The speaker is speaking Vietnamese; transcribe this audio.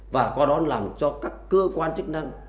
và có đón làm cho các cơ quan chức năng